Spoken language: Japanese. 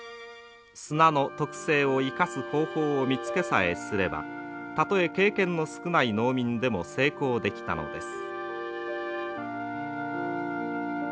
砂の特性を生かす方法を見つけさえすればたとえ経験の少ない農民でも成功できたのです。